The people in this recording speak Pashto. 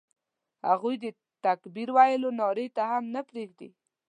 هغوی د تکبیر ویلو نارې ته هم نه پرېږدي.